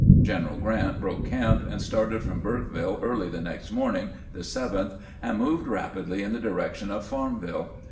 General Grant broke camp and started from Burkeville early the next morning (the 7th), and moved rapidly in the direction of Farmville.